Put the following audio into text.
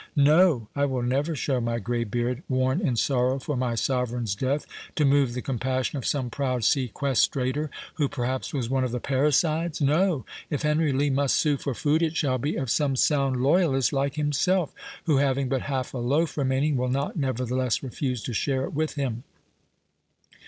No. I will never show my grey beard, worn in sorrow for my sovereign's death, to move the compassion of some proud sequestrator, who perhaps was one of the parricides. No. If Henry Lee must sue for food, it shall be of some sound loyalist like himself, who, having but half a loaf remaining, will not nevertheless refuse to share it with him.